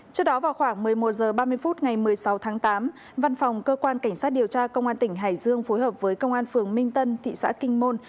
trước đó vào khoảng một mươi một h ba mươi phút ngày một mươi sáu tháng tám văn phòng cơ quan cảnh sát điều tra công an tỉnh hải dương phối hợp với công an phường minh tân thị xã kinh môn